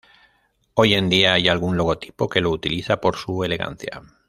Hoy en día, hay algún logotipo que lo utiliza por su elegancia.